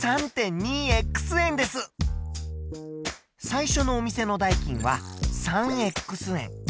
最初のお店の代金は３円。